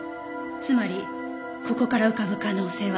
つまりここから浮かぶ可能性は。